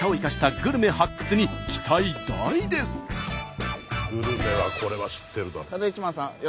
グルメはこれは知ってるだろ。